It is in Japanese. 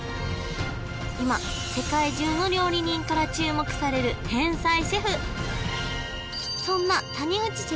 今世界中の料理人から注目される天才シェフ